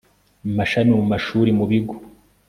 mashami mu mashuri mu bigo